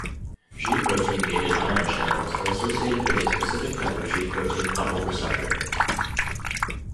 G protein-gated ion channels are associated with a specific type of G protein-coupled receptor.